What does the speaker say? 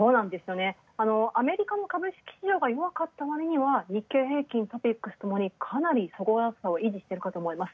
アメリカの株式市場が弱かったわりには日経平均、ＴＯＰＩＸともにかなり、維持してるかと思います。